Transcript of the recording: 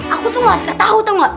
aku tuh nggak suka tahu tau nggak